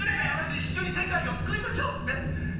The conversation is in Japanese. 一緒に世界を救いましょう！